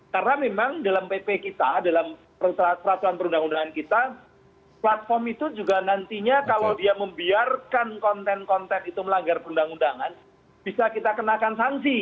karena memang dalam pp kita dalam peraturan perundang undangan kita platform itu juga nantinya kalau dia membiarkan konten konten itu melanggar perundang undangan bisa kita kenakan sanksi